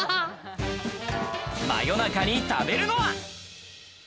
真夜中に食べるのは。